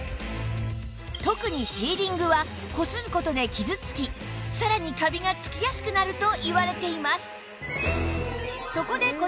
特にシーリングはこする事で傷つきさらにカビがつきやすくなるといわれています